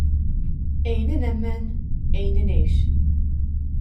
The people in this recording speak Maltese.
" Għinni Nemmen Għinni Ngħix "